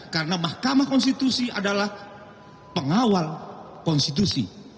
karena mahkamah konstitusi adalah pengawal konstitusi